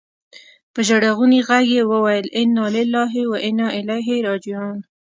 په ژړغوني ږغ يې وويل انا لله و انا اليه راجعون.